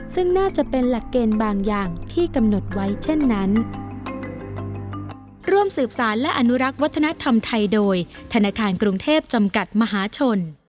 ซึ่งน่าจะเป็นหลักเกณฑ์บางอย่างที่กำหนดไว้เช่นนั้น